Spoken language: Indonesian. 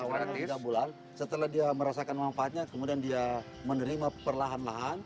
awalnya tiga bulan setelah dia merasakan manfaatnya kemudian dia menerima perlahan lahan